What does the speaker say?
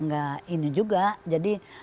gak ini juga jadi